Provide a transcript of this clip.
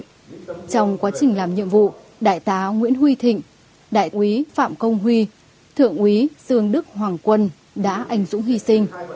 trong quá trình làm nhiệm vụ đại tá nguyễn huy thịnh đại quý phạm công huy thượng quý sương đức hoàng quân đã ảnh dũng hy sinh